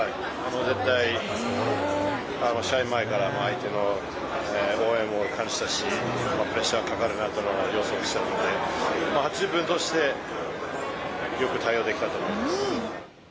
絶対、試合前から、相手の応援も感じたし、プレッシャーかかるなというのは予測してたので、８０分通して、よく対応できたと思います。